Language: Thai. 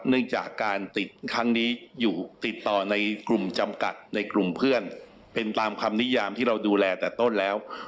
เนื่องจากการติดครั้งนี้อยู่ติดต่อในกลุ่มจำกัดในกลุ่มเพื่อนเป็นตามคำนิยามที่เราดูแลแต่ต้นแล้ว